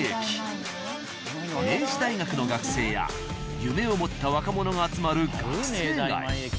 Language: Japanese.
明治大学の学生や夢を持った若者が集まる学生街。